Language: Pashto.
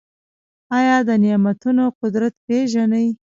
ایا د نعمتونو قدر پیژنئ؟